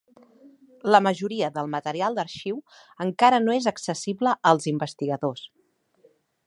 La majoria del material d'arxiu encara no és accessible als investigadors.